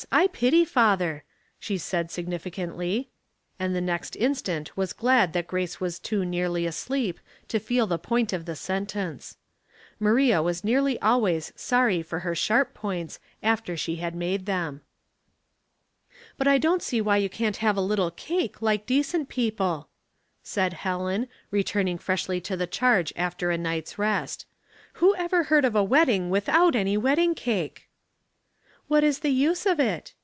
I pity father," she said, sig nificantly; and the next instant was glad that Grace was too nearly asleep to feel the point of the sentence. Maria was nearly always sorry for her sharp points after she had made them. "But I don't see why you can't have a little cake, like decent people," said Helen, returning freshly to the charge after a night's rest. " Who ever heard of a wedding without any wedding cake?" "What is the use of it?"